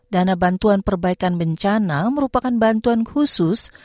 dana bantuan perbaikan bencana merupakan bantuan khusus